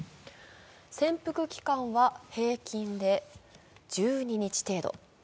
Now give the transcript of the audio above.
潜伏期間は平均で１２日程度。